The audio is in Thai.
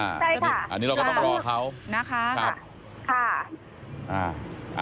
ใช่ค่ะอันนี้เราก็ต้องรอเขานะคะครับค่ะอ่า